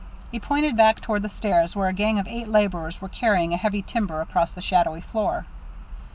He pointed back toward the stairs where a gang of eight laborers were carrying a heavy timber across the shadowy floor.